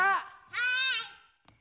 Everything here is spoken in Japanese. はい！